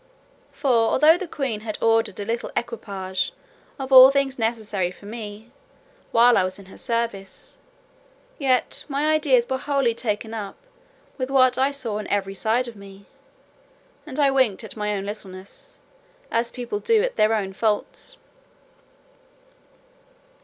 For, although the queen had ordered a little equipage of all things necessary for me, while I was in her service, yet my ideas were wholly taken up with what I saw on every side of me, and I winked at my own littleness, as people do at their own faults.